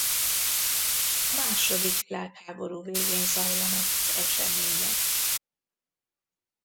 A második világháború végén zajlanak az események.